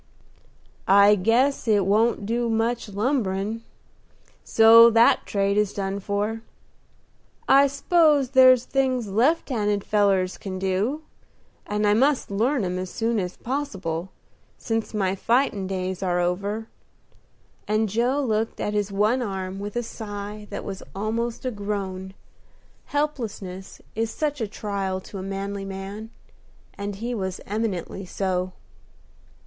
"I guess it won't do much lumberin', so that trade is done for. I s'pose there's things left handed fellers can do, and I must learn 'em as soon as possible, since my fightin' days are over," and Joe looked at his one arm with a sigh that was almost a groan, helplessness is such a trial to a manly man, and he was eminently so.